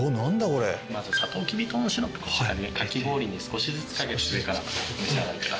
まずサトウキビシロップかき氷に少しずつ掛けて上からお召し上がりください。